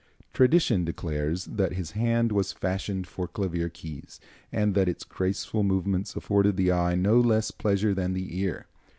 Tradition declares that his hand was fashioned for clavier keys, and that its graceful movements afforded the eye no less pleasure than the ear.